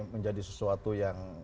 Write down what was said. menjadi sesuatu yang